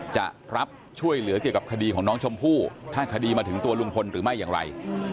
จะรับช่วยเหลือเกี่ยวกับคดีของน้องชมพู่ถ้าคดีมาถึงตัวลุงพลหรือไม่อย่างไร